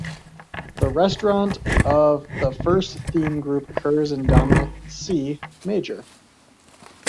The restatement of the first theme group occurs in the dominant, C major.